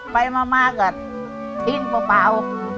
ไปมากอ่ะพิ้งเปล่า